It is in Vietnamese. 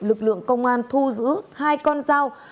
lực lượng công an thu giữ hai con dao